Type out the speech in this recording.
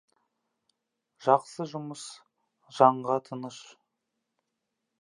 Жақсы жұмыс — жанға тыныш.